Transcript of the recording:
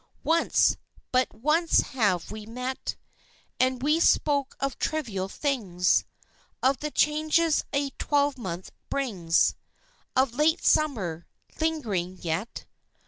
Once, but once have we met, And we spoke of trivial things, Of the changes a twelvemonth brings, Of late Summer, lingering yet...